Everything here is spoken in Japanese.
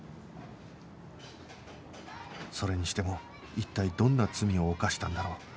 それにしても一体どんな罪を犯したんだろう？